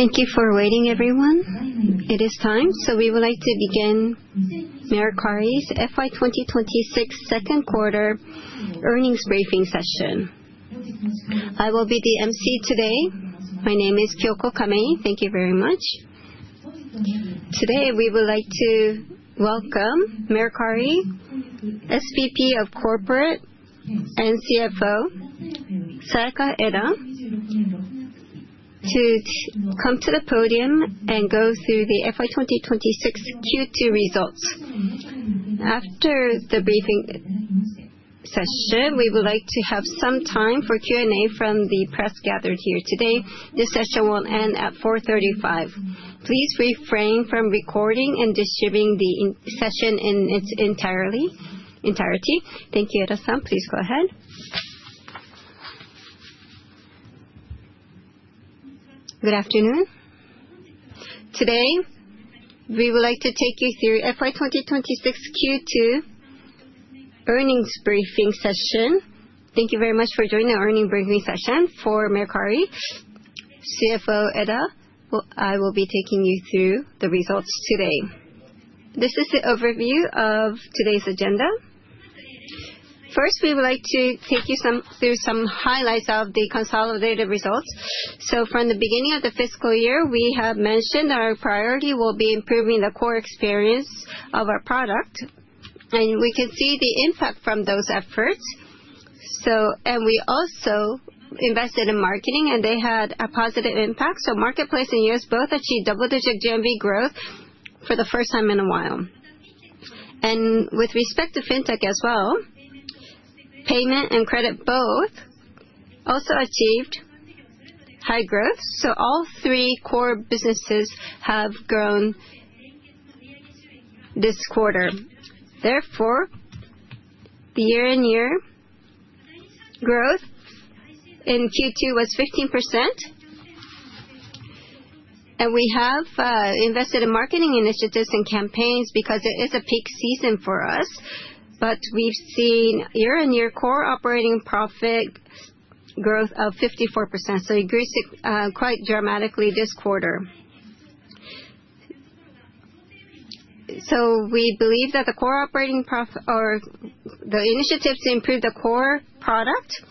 Thank you for waiting, everyone. It is time. We would like to begin Mercari's FY 2026 second quarter earnings briefing session. I will be the emcee today. My name is Kyoko Kamei. Thank you very much. Today, we would like to welcome Mercari SVP of Corporate and CFO, Sayaka Eda, to come to the podium and go through the FY 2026 Q2 results. After the briefing session, we would like to have some time for Q&A from the press gathered here today. This session will end at 4:35 P.M. Please refrain from recording and distributing the session in its entirety. Thank you, Eda-san. Please go ahead. Good afternoon. Today, we would like to take you through FY 2026 Q2 earnings briefing session. Thank you very much for joining the earning briefing session for Mercari. CFO Eda. I will be taking you through the results today. This is the overview of today's agenda. We would like to take you through some highlights of the consolidated results. From the beginning of the fiscal year, we have mentioned our priority will be improving the core experience of our product. We can see the impact from those efforts. We also invested in marketing. They had a positive impact. Marketplace and U.S. both achieved double-digit GMV growth for the first time in a while. With respect to Fintech as well, payment and credit both also achieved high growth. All three core businesses have grown this quarter. Therefore, the year-on-year growth in Q2 was 15%. We have invested in marketing initiatives and campaigns because it is a peak season for us. We've seen year-on-year core operating profit growth of 54%. It grew quite dramatically this quarter. We believe that the initiatives to improve the core product,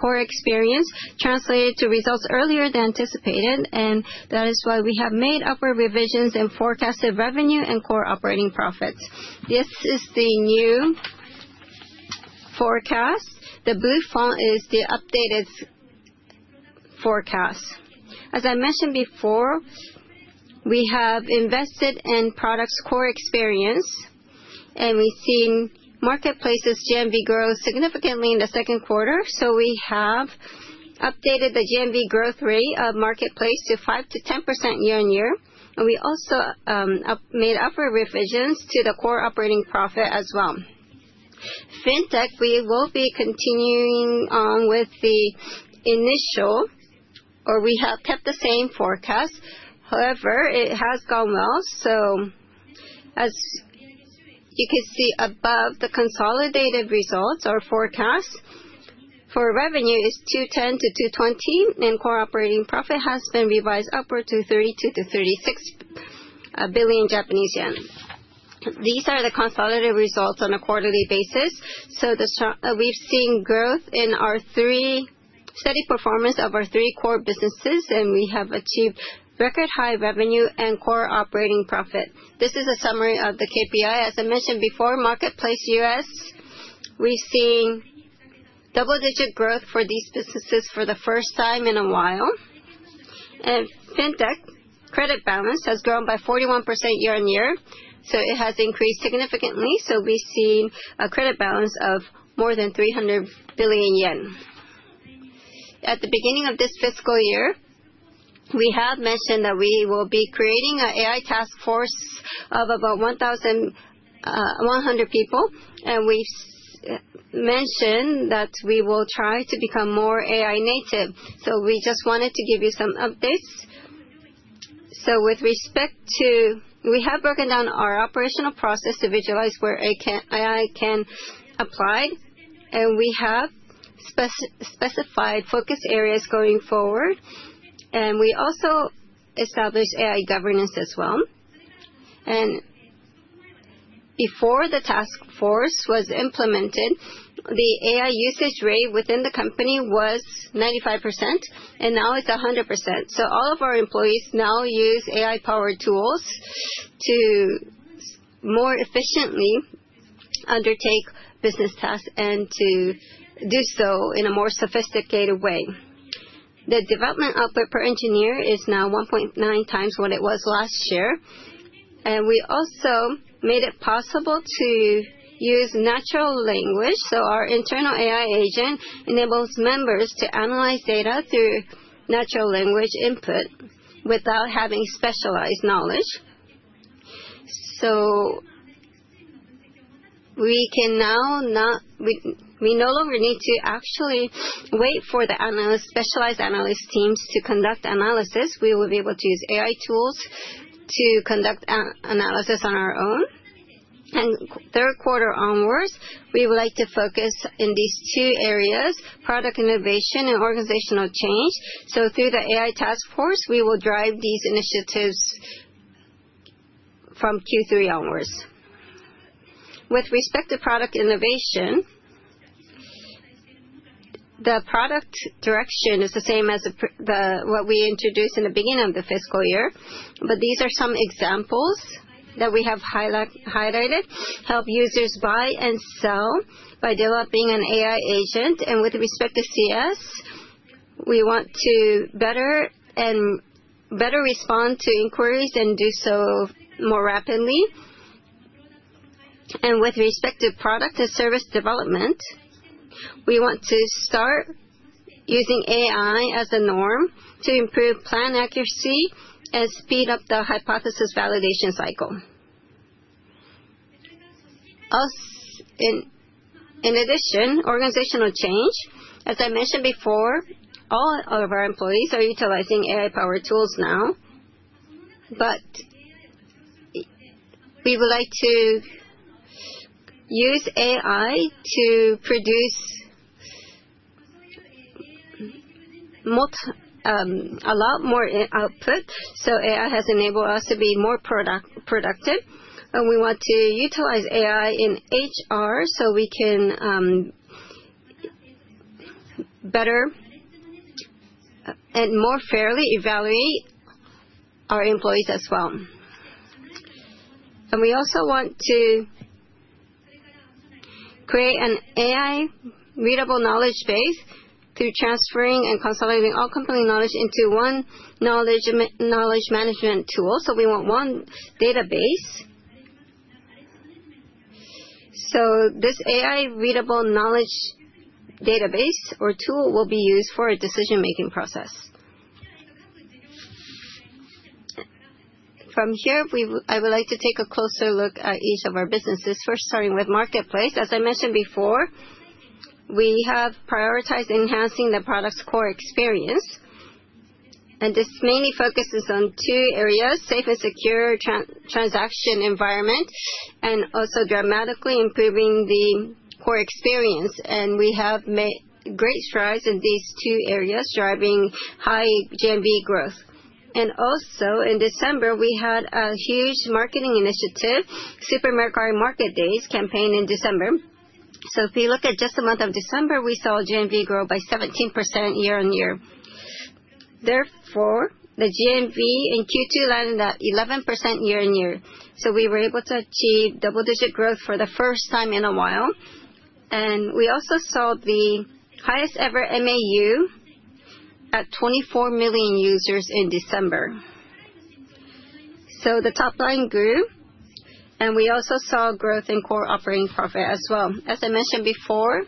core experience, translated to results earlier than anticipated. That is why we have made upward revisions in forecasted revenue and core operating profits. This is the new forecast. The blue font is the updated forecast. As I mentioned before, we have invested in products' core experience. We've seen Marketplace's GMV grow significantly in the second quarter. We have updated the GMV growth rate of Marketplace to 5%-10% year-on-year. We also made upward revisions to the core operating profit as well. Fintech, we will be continuing on with the initial, or we have kept the same forecast. It has gone well. As you can see above, the consolidated results or forecast for revenue is 210 billion to 220 billion. Core operating profit has been revised upward to 32 billion to 36 billion Japanese yen. These are the consolidated results on a quarterly basis. We've seen growth in our steady performance of our three core businesses. We have achieved record high revenue and core operating profit. This is a summary of the KPI. As I mentioned before, Marketplace U.S., we're seeing double-digit growth for these businesses for the first time in a while. Fintech credit balance has grown by 41% year-on-year. It has increased significantly. We're seeing a credit balance of more than 300 billion yen. At the beginning of this fiscal year, we have mentioned that we will be creating an AI task force of about 1,100 people. We've mentioned that we will try to become more AI native. We just wanted to give you some updates. We have broken down our operational process to visualize where AI can apply, and we have specified focus areas going forward. We also established AI governance as well. Before the task force was implemented, the AI usage rate within the company was 95%, and now it is 100%. All of our employees now use AI-powered tools to more efficiently undertake business tasks and to do so in a more sophisticated way. The development output per engineer is now 1.9 times what it was last year, and we also made it possible to use natural language. Our internal AI agent enables members to analyze data through natural language input without having specialized knowledge. We no longer need to actually wait for the specialized analyst teams to conduct analysis. We will be able to use AI tools to conduct analysis on our own. Third quarter onwards, we would like to focus in these two areas, product innovation and organizational change. Through the AI task force, we will drive these initiatives from Q3 onwards. With respect to product innovation, the product direction is the same as what we introduced in the beginning of the fiscal year. These are some examples that we have highlighted. Help users buy and sell by developing an AI agent. With respect to CS, we want to better respond to inquiries and do so more rapidly. With respect to product and service development, we want to start using AI as a norm to improve plan accuracy and speed up the hypothesis validation cycle. In addition, organizational change, as I mentioned before, all of our employees are utilizing AI-powered tools now. We would like to use AI to produce a lot more output. AI has enabled us to be more productive, and we want to utilize AI in HR so we can better and more fairly evaluate our employees as well. We also want to create an AI readable knowledge base through transferring and consolidating all company knowledge into one knowledge management tool. We want one database. This AI readable knowledge database or tool will be used for a decision-making process. From here, I would like to take a closer look at each of our businesses. First, starting with Marketplace. As I mentioned before, we have prioritized enhancing the product's core experience, and this mainly focuses on two areas, safe and secure transaction environment and also dramatically improving the core experience. We have made great strides in these two areas, driving high GMV growth. Also in December, we had a huge marketing initiative, Super Mercari Market Days campaign in December. If you look at just the month of December, we saw GMV grow by 17% year-on-year. Therefore, the GMV in Q2 landed at 11% year-on-year. We were able to achieve double-digit growth for the first time in a while. We also saw the highest ever MAU at 24 million users in December. The top line grew, and we also saw growth in core operating profit as well. As I mentioned before,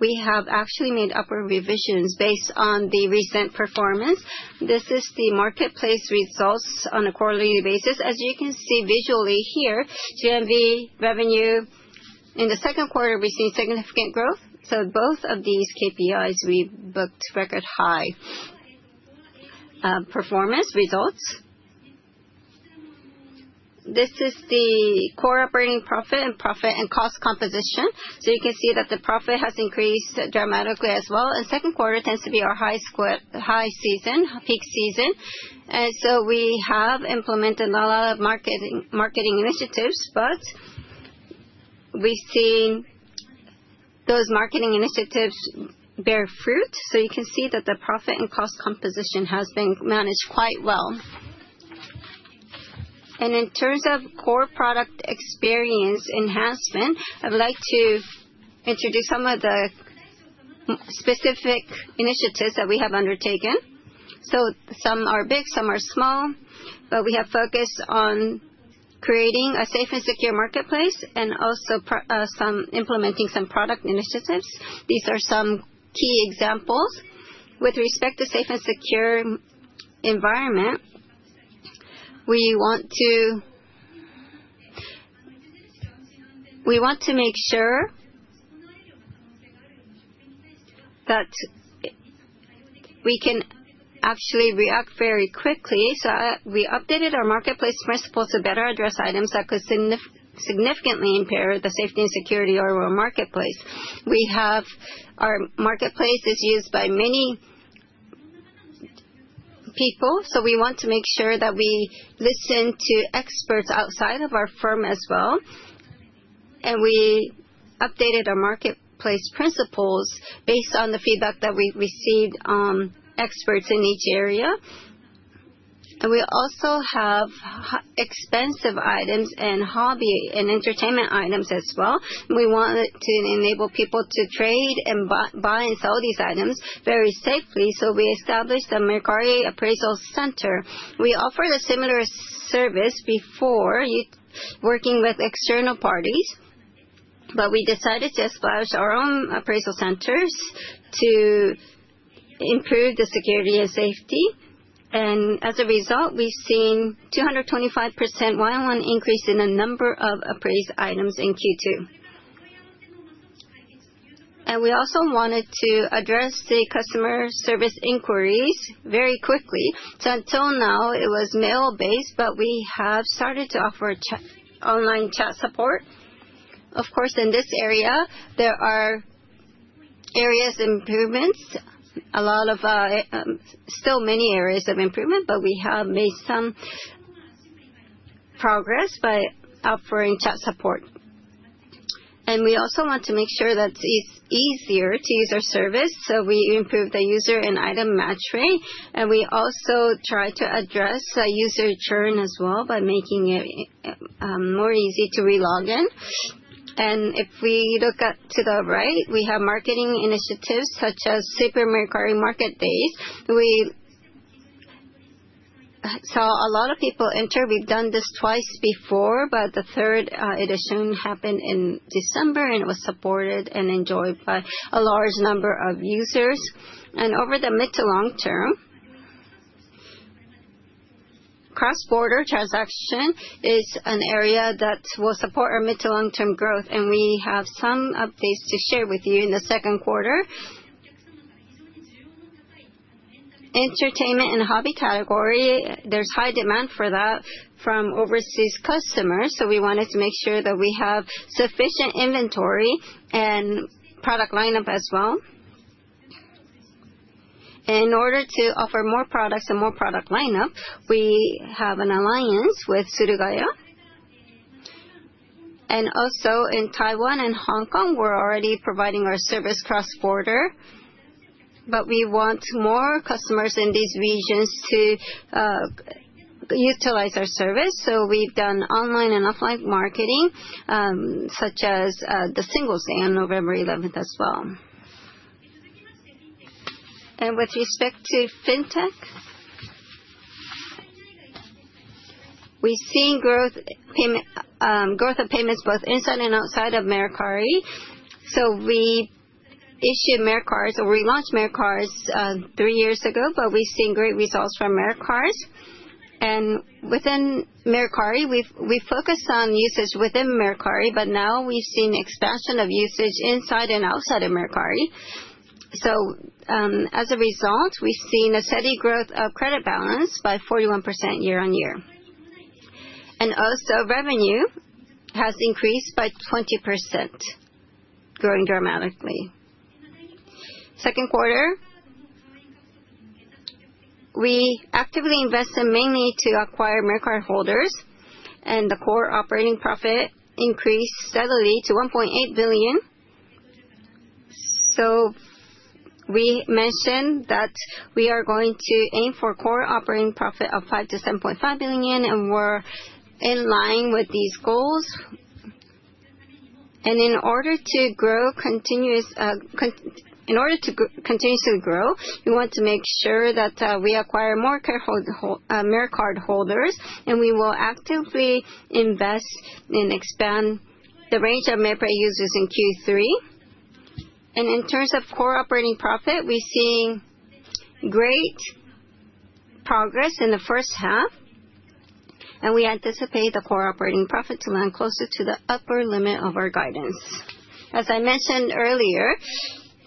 we have actually made upward revisions based on the recent performance. This is the Marketplace results on a quarterly basis. As you can see visually here, GMV revenue in the second quarter, we have seen significant growth. Both of these KPIs, we booked record high performance results. This is the core operating profit and profit and cost composition. You can see that the profit has increased dramatically as well. Second quarter tends to be our high season, peak season. We have implemented a lot of marketing initiatives, but we've seen those marketing initiatives bear fruit. You can see that the profit and cost composition has been managed quite well. In terms of core product experience enhancement, I'd like to introduce some of the specific initiatives that we have undertaken. Some are big, some are small, but we have focused on creating a safe and secure Marketplace and also implementing some product initiatives. These are some key examples. With respect to safe and secure environment, we want to make sure that we can actually react very quickly. We updated our Marketplace principles to better address items that could significantly impair the safety and security of our Marketplace. Our Marketplace is used by many people, so we want to make sure that we listen to experts outside of our firm as well. We updated our Marketplace principles based on the feedback that we received experts in each area. We also have expensive items and hobby and Entertainment & Hobbies items as well. We wanted to enable people to trade and buy and sell these items very safely. We established a Mercari appraisal center. We offered a similar service before working with external parties, but we decided to establish our own appraisal centers to improve the security and safety. As a result, we've seen 225% year-on-year increase in the number of appraised items in Q2. We also wanted to address the customer service inquiries very quickly. Until now, it was mail-based, but we have started to offer online chat support. Of course, in this area, there are Still many areas of improvement, but we have made some progress by offering chat support. We also want to make sure that it's easier to use our service, so we improved the user and item match rate, and we also try to address user churn as well by making it more easy to re-log in. If we look up to the right, we have marketing initiatives such as Super Mercari Market. A lot of people enter. We've done this twice before, but the third edition happened in December, and it was supported and enjoyed by a large number of users. Over the mid to long term, cross-border transaction is an area that will support our mid to long-term growth, and we have some updates to share with you in the second quarter. Entertainment & Hobbies category, there's high demand for that from overseas customers. We wanted to make sure that we have sufficient inventory and product lineup as well. In order to offer more products and more product lineup, we have an alliance with Suruga-ya. Also in Taiwan and Hong Kong, we're already providing our service cross-border, but we want more customers in these regions to utilize our service. We've done online and offline marketing, such as the Singles' Day on November 11th as well. With respect to Fintech, we're seeing growth of payments both inside and outside of Mercari. We issued Mercard, or we launched Mercard 3 years ago, but we've seen great results from Mercard. Within Mercari, we focused on usage within Mercari, but now we've seen expansion of usage inside and outside of Mercari. As a result, we've seen a steady growth of credit balance by 41% year-over-year. Also, revenue has increased by 20%, growing dramatically. Second quarter, we actively invest mainly to acquire Mercard holders, and the core operating profit increased steadily to 1.8 billion. We mentioned that we are going to aim for core operating profit of 5 billion-7.5 billion yen, and we're in line with these goals. In order to continuously grow, we want to make sure that we acquire more Mercard holders, and we will actively invest and expand the range of Mercard users in Q3. In terms of core operating profit, we're seeing great progress in the first half, and we anticipate the core operating profit to land closer to the upper limit of our guidance. As I mentioned earlier,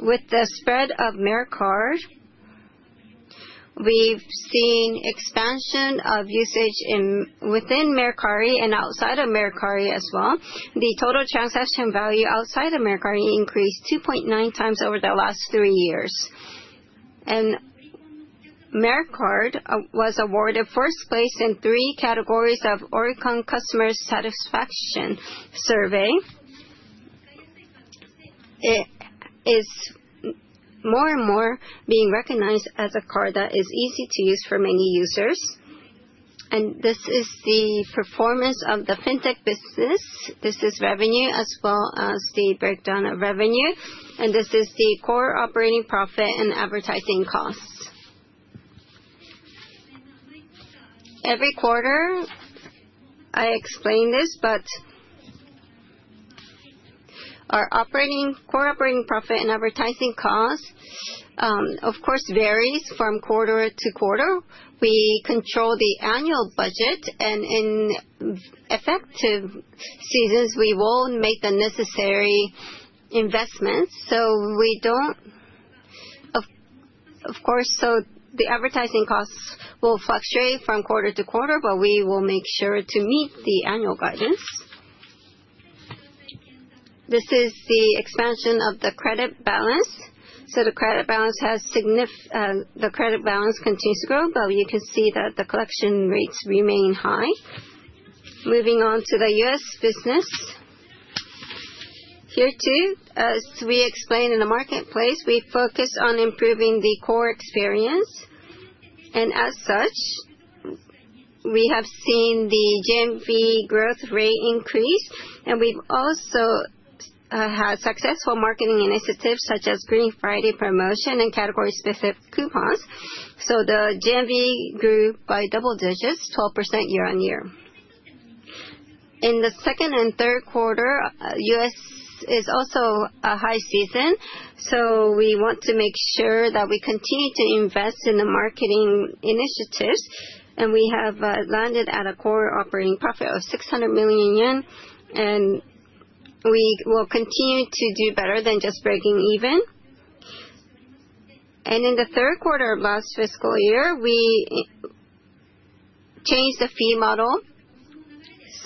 with the spread of Mercard, we've seen expansion of usage within Mercari and outside of Mercari as well. The total transaction value outside of Mercari increased 2.9 times over the last 3 years. Mercard was awarded first place in 3 categories of Oricon customer satisfaction survey. It is more and more being recognized as a card that is easy to use for many users. This is the performance of the Fintech business. This is revenue as well as the breakdown of revenue, and this is the core operating profit and advertising costs. Every quarter, I explain this, but our core operating profit and advertising cost, of course, varies from quarter to quarter. We control the annual budget, and in effective seasons, we will make the necessary investments. Of course, the advertising costs will fluctuate from quarter to quarter, but we will make sure to meet the annual guidance. This is the expansion of the credit balance. The credit balance continues to grow, but you can see that the collection rates remain high. Moving on to the U.S. business. Here, too, as we explained in the Marketplace, we focused on improving the core experience. As such, we have seen the GMV growth rate increase, and we've also had successful marketing initiatives such as Green Friday promotion and category-specific coupons. The GMV grew by double digits, 12% year-over-year. In the second and third quarter, U.S. is also a high season, we want to make sure that we continue to invest in the marketing initiatives, and we have landed at a core operating profit of 600 million yen, and we will continue to do better than just breaking even. In the third quarter of last fiscal year, we changed the fee model.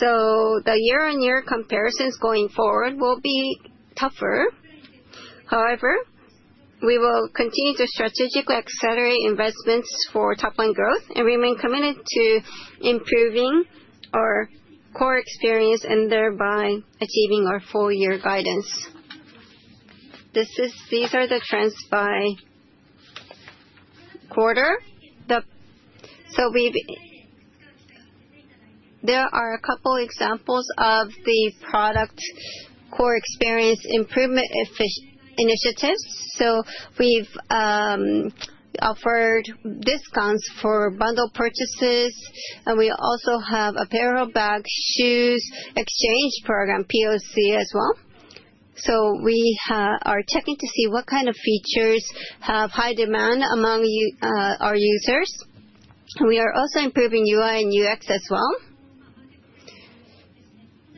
The year-over-year comparisons going forward will be tougher. However, we will continue to strategically accelerate investments for top-line growth and remain committed to improving our core experience and thereby achieving our full year guidance. These are the trends by quarter. There are a couple examples of the product core experience improvement initiatives. We've offered discounts for bundle purchases, and we also have apparel, bag, shoes exchange program, POC as well. We are checking to see what kind of features have high demand among our users, and we are also improving UI and UX as well.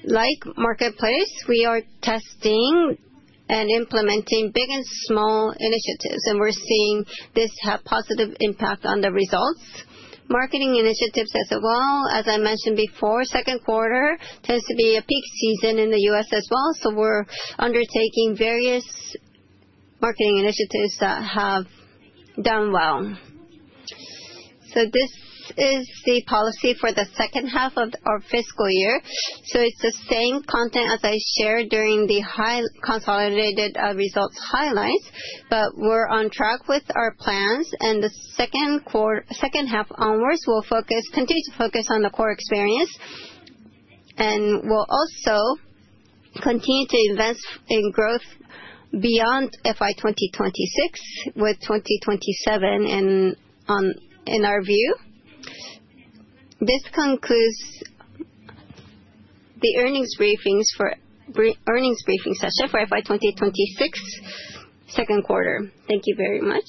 Like Marketplace, we are testing and implementing big and small initiatives, and we're seeing this have positive impact on the results. Marketing initiatives as well. As I mentioned before, second quarter tends to be a peak season in the U.S. as well, we're undertaking various marketing initiatives that have done well. This is the policy for the second half of our fiscal year. It's the same content as I shared during the consolidated results highlights, but we're on track with our plans and the second half onwards, we'll continue to focus on the core experience and we'll also continue to invest in growth beyond FY 2026 with 2027 in our view. This concludes the earnings briefing session for FY 2026 second quarter. Thank you very much.